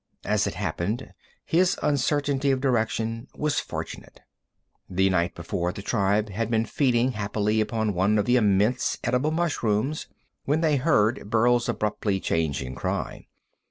As it happened, his uncertainty of direction was fortunate. The night before the tribe had been feeding happily upon one of the immense edible mushrooms, when they heard Burl's abruptly changing cry.